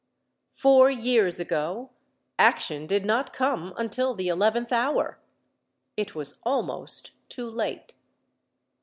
Four years ago action did not come until the eleventh hour. It was almost too late.